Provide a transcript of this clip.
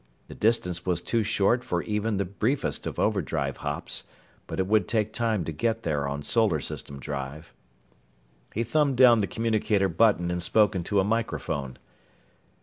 The distance was too short for even the briefest of overdrive hops, but it would take time to get there on solar system drive. He thumbed down the communicator button and spoke into a microphone.